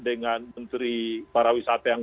dengan menteri para wisata yang